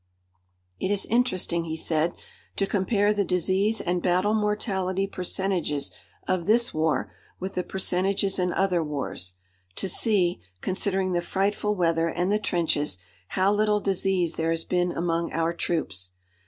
"It is interesting," he said, "to compare the disease and battle mortality percentages of this war with the percentages in other wars; to see, considering the frightful weather and the trenches, how little disease there has been among our troops.